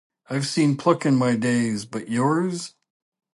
I've seen pluck in my day, but yours!